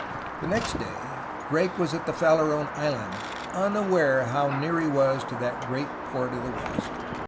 The next day, Drake was at the Farallone Islands, un aware how near he was to the great port of the west.